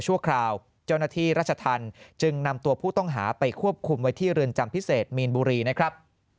คราวเจ้าหน้าที่รัชธรรมจึงนำตัวผู้ต้องหาไปควบคุมไว้ที่เรือนจำพิเศษมีนบุรีนะครับ